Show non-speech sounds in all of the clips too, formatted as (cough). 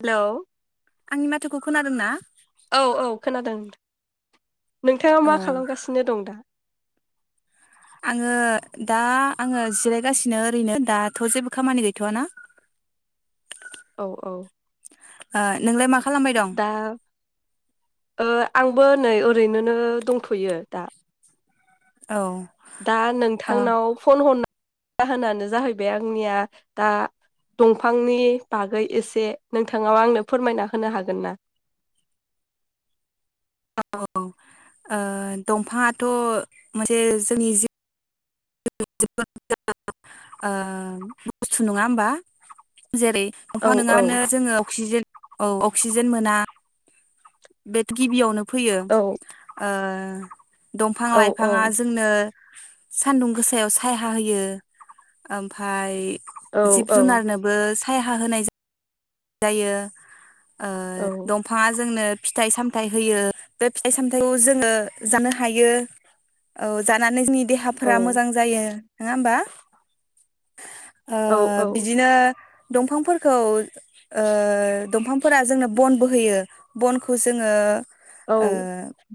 Hello आंनि माथोखौ खोनादों ना? औ औ खोनादों । नोंथाङा औ मा खालामगासिनो दं दा? आङो दा आङो जिरायगासिनो ओरैनो दाथ' जेबो खामानि गैथआ ना। औ औ आ नोंलाय माख दा ओ आंबो नै ओरैनोनो दंथयो दा । औ दा ओ नोंथांनाव फन हन जाहोनानो जाहैबाय आंनिया दा दंफांनि बागै एसे नोंथाङा आंनो फोरमायना होनो हागोन ना? औ ओ दंफाङाथ मोनसे जोंनि जिउ (unintelligible) ओ बुस्थु नङा होमबा? जेरै- औ दंफा औ नङाबानो जोङो अक्सिजेन औ अक्सिजेन मोना बेथ गिबियावनो फैयो ओ औ ओम दंफां औ लाइफाङा जोंनो सानदुं गोसायाव सायहा होयो आमफाय औ जिब जुनारनोबो साय (unintelligible) हा होनाय जायो जायो ओ औ दंफाङा जोंनो फिथाइ सामथायाइ होयो बे फिथाइ सामथायाइखौ जोंङो जानो हायो औ जानानै जोंनि देहाफोरा मोजां जायो नङा होमबा ओ औ बिदिनो दंफांफोरखौ ओ दंफांफोरा जोंनो बन बोहोयो बनखौ जोङो औ ओ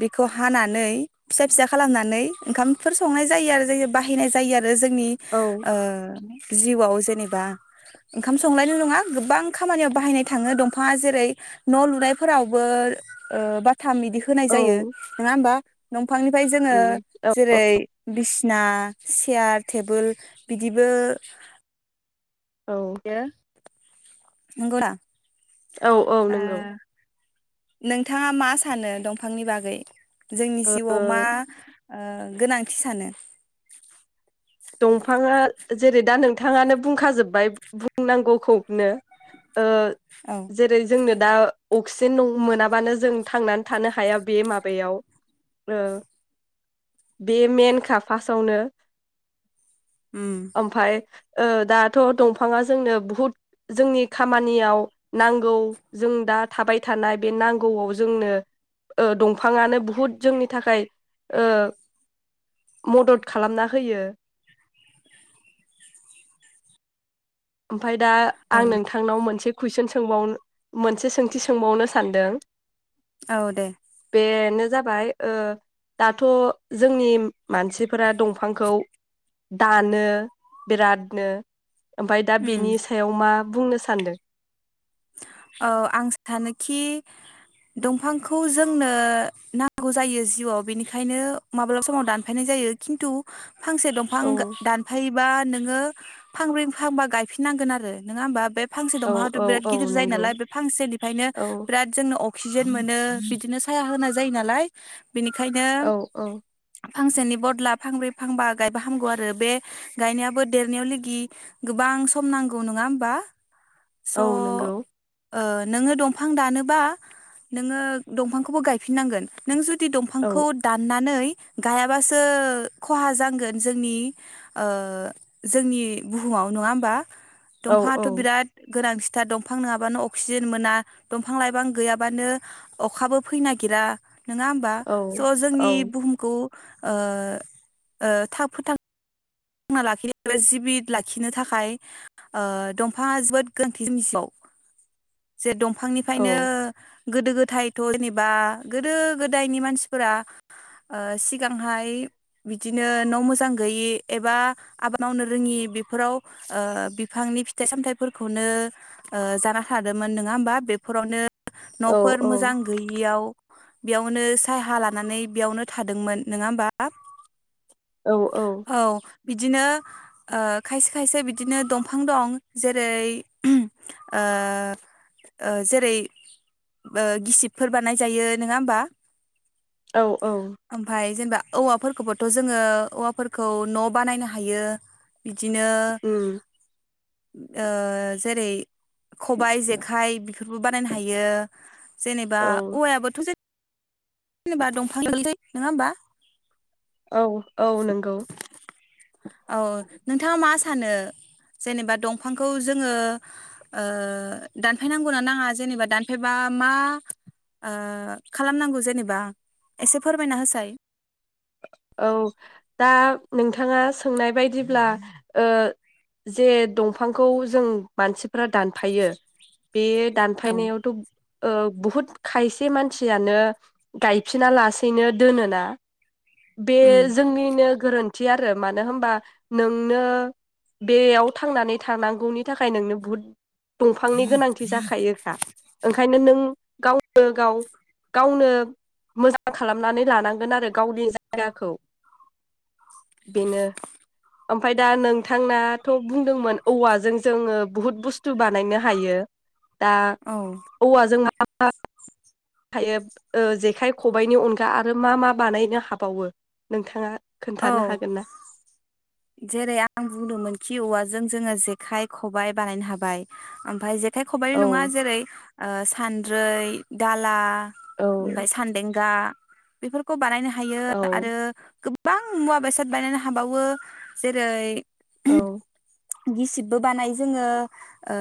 बेखौ हानानै फिसा फिसा खालामनानै ओंखामफोर संनाय जायो आरो बाहायनाय जायो आरो आरो जोंनि औ ओ जिउआव जेनेबा ओंखाम संनायल नङा गोबां खामानियाव बाहायनाय थाङो दंफाङा जेरै न' लुनायफोरावबो ओ बाथ थाम बिदि होनाय औ जायो नङा होमबा बिफांनिफ्राय जोंङो उम औ जेरै बिसिना चियार टेबोल बिदिबो औ (unintelligible) (unintelligible) औ औ ओ नंगौ। नोंथाङा मा सानो दंफांनि बागै जोंनि जिउआव ओ मा? ओ गोनांथि सानो। दंफाङा जेरै दा नोंथाङानो बुंखाजोब्बाय बुंनांगौखौनो। ओ औ जेरै जोंनो दा अक्सिजेन मोनाबानो जों थांनानै थानो हाया बे माबायाव ओ बे मेन खा फासावनो। उम ओमफाय ओ दाथ दंफाङा जोंनो बुहुद जोंनि खामानियाव नांगौ जों दा थाबाय थानाय बे नांगौआव जोंनो ओ दंफाङानो बुहुद जोंनि थाखाय ओ मदद खालामना होयो। ओमफ्राय दा आं नोंथांनाव मोनसे कुइसन सोंबावनो मोनसे सोंथि सोंबावनो सानदों औ दे बेनो जाबाय ओ दाथ जोंनि मानसिफोरा दंफांखौ दानो बिरादनो ओमफ्राय दा उम बेनि सायाव मा बुंनो सानदो ओ आं सानोखि दंफांखौ जोंनो नांगौ जायो जिउआव बेनिखायनो माब्लाबा समाव दानफायनाय जायो खिन्थु फांसे दंफां औ गा दानफै बा नोङो फांब्रै फांबा गायफिननांगोन आरो नङा होमबा बे फांसे औ दफांआथ औ बिराद औ गिदिर जायो नंगौ नालाय बे फांसेनिफ्रायनो औ बिराद जोंनो अ अक्सिजेन मोनो बिदिनो साया होनाय जायो नालाय बेनिखायनो औ औ फांसेनि बदला फांब्रै फांबा गायबा हामगौ आरो बे गायनायाबो देरनायाव लेगि गोबां सम नांगौ नङा होमबा। स' औ नोंगौ। ओ नोङो दंफां दानोबा नोङो दंफांखौबो गायफिननांगोन नों जु दि औ दंफांखौ दाननानै गायाबासो खहा जांगोन जोंनि ओ जोंनि बुहुमाव नङा होमबा? औ दंफाङाथ औ बिराद गोनांसिन था दं दंफां नङाबानो अक्सिजेन मोना दंफां लाइफां गैयाबानो अखाबो फैनो नागिरा। नङा होमबा औ स औ जोंनि बुहुमखौ ओ-ओ थाब फोथां ना लाखिनो एबा जिबि लाखिनो थाखाय ओ दंफाङा जोबोद गोनांथि (unintelligible) जिउआव। जे दं औ फांनिफ्रायनो गोदो गोधायथ जेनेबा गोदो गोदायनि मानसिफोरा ओ सिगांहाय बिदिनो न' मोजां गैयि एबा आबाद मावनो रोङि बेफोराव ओ बिफांनि फिथाइ सामथाइफोरखौनो ओ जाना थादोंमोन नङा होमबा बेफोरावनो औ नफोर मोजां गैयियाव बेयावनो सायहा लानानै बेयावनो थादोंमोन नोंङा होमबा । औ -औ औ बिदिनो ओ खायसे खायसे बिदिनो दंफां दं जेरै ओ ओ जेरै गिसिबफोर बानाय जायो नङा होमबा । औ-औ जेनबा औवाफोरखौबोथ जोङो औवाफोर खौ न बानायनो हायो बिदिनो उम ओ जेरै खबाइ जेखाइ बेफोरबो बानायनो हायो। जेनेबा औ औवायाबोथ जे जेनेबा दंफां (unintelligible) नङा होमबा। औ- औ नंगौ। औ नोंथाङा मा सानो जेनेबा दंफांखौ जोङो ओ दानफायनांगौना नाङा जेनेबा दानफायबा मा ओ खालामनांगौ जेनेबा एसे फोरमायना होसाय। औ दा नोंथाङा सोंनाय बायदिब्ला ओ जे दंफांखौ जों मानसि फोरा दानफायो बे औ दानफायनायावथ' ओ बुहुद खायसे मानसियानो गायफिना लासेैनो दोनोना? बे उम जोंनिनो गोरोन्थि आरो मानो होनबा नोंनो बेयाव थांनानै थानांगौनि थाखाय नोंनो बुहुद दंफांनि गोनांथि जाखायोखा ओंखायनो नों गावनो गाव गावनो मोजां खालामनानै लानांगोन आरो। गावनि जायगाखौ बेनो ओमफाय दा नोंथांनाथ' बुंदोंमोन औवाजों जोङो बुहुत बुस्थु बानायनो हायो? दा औ औवा जों (unintelligible) थायो ओ जेखाइ खबाइनि अनगा आरो मा मा बानायनो हाबावो नोंथाङा? खोन्थानो औ हागोन ना जेरै आं बुंदोंमोनखि औवाजों जोङो जेखाइ खबाइ बानायनो हाबाय ओमफ्राय जे खाय खबाइल नङा औ जेरै ओ सानद्रै दाला औ ओमफ्राय सान्देंगा बेफोरखौ बानायनो हा हायो औ आरो गो बां मुवा बेसाद बानानो हाबावो। जेरै औ गिसिबबो बानायो जोङो ओ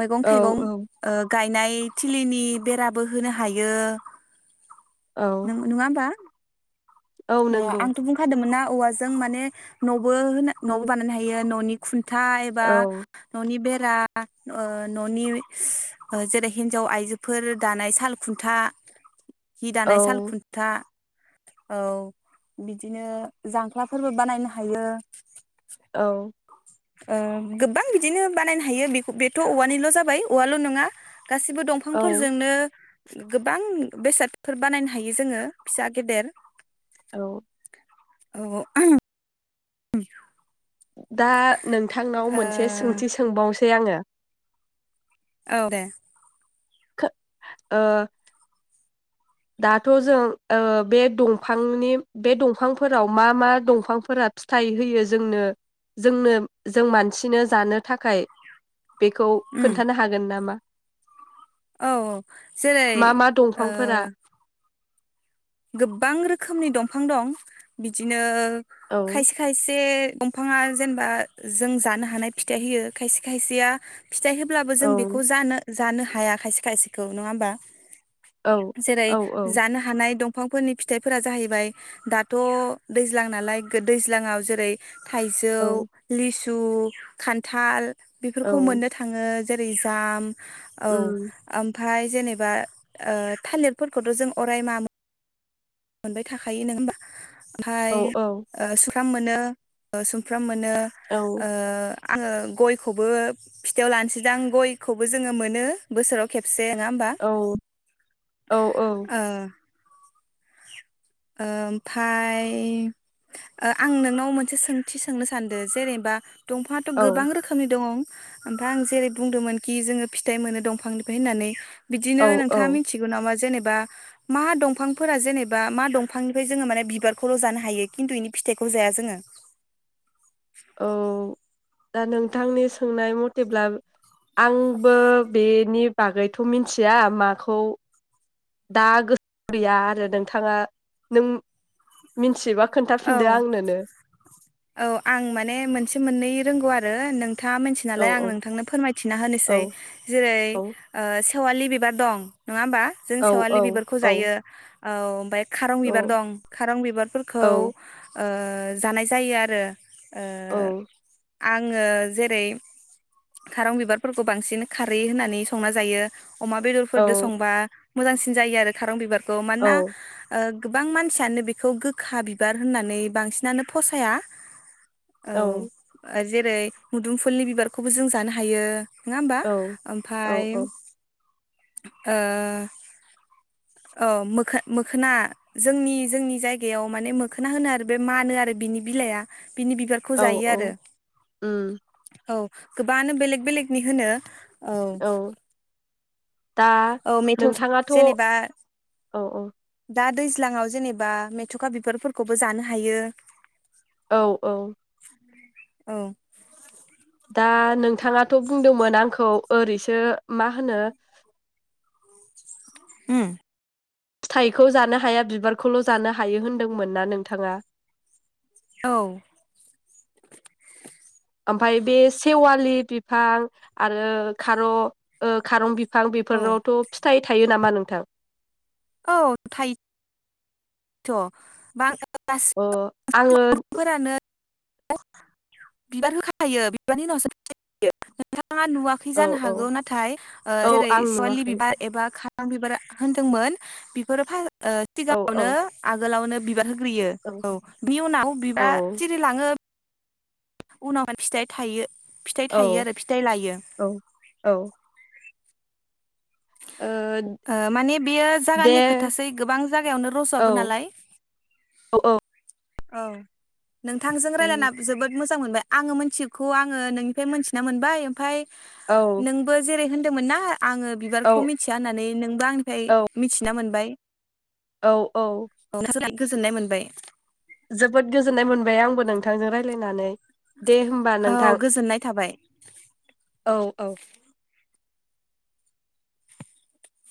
मैगं औ थाइगं औ ओ गायनाय थिलिनि बेराबो होनो हायो। औ नों नुआ (unintelligible) औ नंगौ आंथ बुंखादोंमोन ना औवाजों माने नबो नबो बानायनो हायो ननि खुन था एबा औ न'नि बे रा ओ ननि जेरै ओ हिन्जाव आइजोफोर दानाय साल खुन्था। हि दानाय साल औ खुन्था। औ बिदिनो जांख्लाफोरबो बानायनो हायो। औ ओ गोबां बिदिनो बानायनो हायो बे बेथ औवानिल जाबाय औवाल नङा गासिबो औ दंफांफोरजोंनो गोबां बेसादफोर बानायनो हायो जोङो फिसा गेदेर। औ। औ औ आं (unintelligible) दा नोंथांनाव मोनसे सोंथि सोंबावनोसै आङो। औ दे। खो ओ दाथ' जों ओ बे दंफांनि बे दंफांफोराव मा मा दंफांफोरा फिथाइ होयो जोंनो जोंनो जों मानसिनो जानो थाखाय बेखौ खोन्थानो हागोन नामा? औ औ जेरै मा मा ओ दंफांफोरा गोबां रोखोमनि दंफां दं। बिदिनो औ खायसे खायसे दंफाङा जेनेबा जों जानो हानाय फिथाइ होयो खायसे खायसेया फिथाइ होब्लाबो जों औ बेखौ जानो जानो हाया खायसे खायसेखौ नङा होमबा औ जेरै औ औ जानो हानाय दं दफांफोरनि फिथाइफोरा जाहैबाय दाथ दैज्लां नालाय दैज्लाङाव जेरै थाइजौ औ लिसु दु खान्थाल औ बेफोरखौ मोननो थाङो जेरैजाम जे औ आम। उम ओमफ्राय जेनेबा ओ थालिरफोरखौथ जों अराय मा? मोनबाय थाखायो नङा होमबा हाय औ औ ओ सुमफ्राम मोनो ओ सुमफ्राम मोनो नो औ ओ आङो गयखौबो फिथायाव लानोसैदां गयखौबो जोङो मोनो बोसोराव खेबसे दे नोङा होमबा औ औ ओ ओ ओमफफ्राय ओ आं नोंनाव मोनसे सोंथि सोंनो सानदों जेनेबा दंफाङथ गोबां औ रोखोमनि दङ ओमफ्राय आं जेरै बुंदोंमोनखि जोङो फिथाइ मोनो दंफांनिफ्राय होननानै बिदिनो औ औ नोंथाङा मिथिगौ नामा जेनेबा बा मा दंफांफोरा जेनेबा मा दं बिफांनिफ्राय जोङो माने बिबारखौल' जानो हायो खिन्थु इनि फिथाइखौ जाया जोङो। औ दा नोंथांनि सोंनाय मथेब्ला आंबो बेनि बागैथ मिथिया माखौ दा गोसो गैया आरो नोंथाङा नों मिन्थियोबा औ खोन्थाफिनदो आंनोनो औ आं माने मोनसे मोननै रोंगौ आरो। रो नों नोंथाङा मिथिया औ नालाय आं औ नोंथांनो फोरमायथिना औ होनोसै जेरै ओ सि खेवालि बिबार दं नङा होमबा। जों औ सेवालि औ बिबारखौ औ जायो। औ बे खारं औ बिबार दं खारं बिबारफोरखौ औ ओ जानाय जायो आरो। ओ औ आंङो जेरै खारं बिबारफोरखौ बांसिन खारै होननानै संना जायो। अमा औ बेदरफोरदो संबा मोजांसिन जायो आरो खारं बिबार खौ मानोना औ ओ गोबां मानसियानो बेखौ गोखा बि बिबार होननानै बांसिनानो फसाया। औ जेरै मुदुमफुलनि बिबारखौबो जों जानो हायो। नङा होमबा औ ओमफाय ओ अ मोख-मोखोना जोंनि जोंनि जायगायाव माने मो खोना होनो आरो बे मानो आरो बिनि बिलाइया बिनि बिबारखौ औ जायो औ आरो। उम औ गोबाङानो बेलेग बेलेगनि होनो। औ दा औ मेथ' नोंथाङाथ औ जेनेबा औ दा दैज्लाङाव जेनेबा मेथुखा बिबारफोरखौबो जानो हायो। औ औ औ दा नोंथाङाथ बुंदोंमोन आंखौ ओरैसो मा होनो उम फिथाइखौ जानो हाया बिबारखौल जानो हायो होन्दोंमोन ना नोंथाङा। औ ओमफाय बे सेवालि बिफां आरो खार ओ खारं बि बिफां औ बेफोरावथ फिथाइ थायो नामा नोंथां? औ थायो। थ (unintelligible) अ आङो (inaudible) बिबार होखायो बिबारनि उनावसो (unintelligible) नोंथाङा नुवाखै औ जानो औ हागौ नाथाय औ जेरै आं सेवालि नुवाखै बिबार एबा खा आं बिबारा होनदोंमोन बिफोरो ओ औ औ सिगाङावनो आगोलावनो बिबार होग्रोयो औ बिनि उनाव औ बिबा सिरि लाङो उनाव (unintelligible) फिथाइ थायो फिथाइ थायो औ आरो फिथाइ लायो। औ औ ओ ओ माने बेयो दे जागानि खोथासै गोबां जायागायावनो औ रजआबो नालाय। औ औ। औ। नोंथांजों रायलायना जोबोद मोज मोजां मोनबाय आंङो मोनथियिखौ आंङो नोंनिफ्राय मोनथिना मोनबाय ओमफ्राय औ नोंबो जेरै होन दोंमोन ना आंङो औ बिबारखौ मिथिया होननानै नोंबो आंनिफ्राय मिथिना मोनबाय। औ औ। औ गोजोननाय मोनबाय जोबोद गोजोननाय मोनबाय आंबो नोंथांजों रायज्लाय नानै दे होमबा औ नोंथां गोजोननाय थाबाय। औ औ।